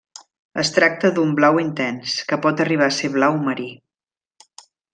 Es tracta d'un blau intens, que pot arribar a ser blau marí.